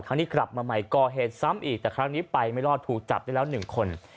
ครั้งนี้กลับมาใหม่ก่อเหตุซ้ำอีกแต่ครั้งนี้ไปไม่รอดถูกจับได้แล้ว๑คน